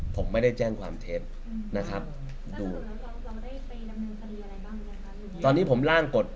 ผมไม่ได้แจ้งความเท็จนะครับตอนนี้ผมล่างกฎ